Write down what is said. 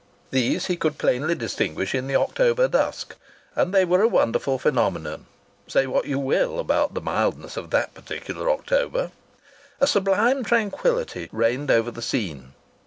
These he could plainly distinguish in the October dusk, and they were a wonderful phenomenon say what you will about the mildness of that particular October! A sublime tranquillity reigned over the scene.